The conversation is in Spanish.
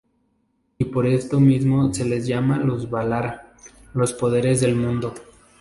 Y por esto mismo se les llama los Valar, los Poderes del Mundo.